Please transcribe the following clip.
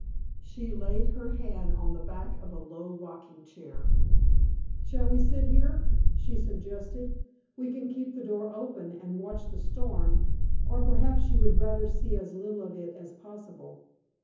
She laid her hand on the back of a low rocking chair. "Shall we sit here?" she suggested. "We can keep the door open and watch the storm. Or perhaps you would rather see as little of it as possible?"